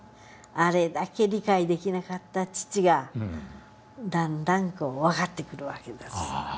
あれだけ理解できなかった父がだんだん分かってくるわけですよ。